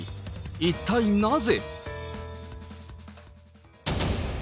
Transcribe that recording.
一体なぜ。